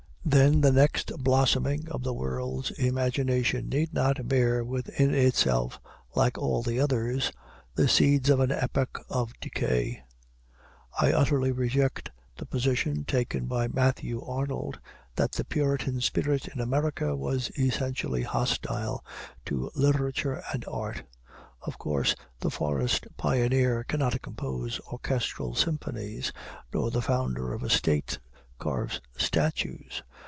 Then the next blossoming of the world's imagination need not bear within itself, like all the others, the seeds of an epoch of decay. I utterly reject the position taken by Matthew Arnold, that the Puritan spirit in America was essentially hostile to literature and art. Of course the forest pioneer cannot compose orchestral symphonies, nor the founder of a state carve statues.